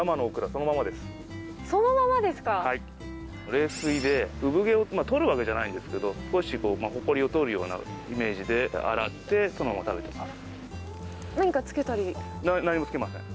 冷水で産毛を取るわけじゃないんですけど少しホコリを取るようなイメージで洗ってそのまま食べます。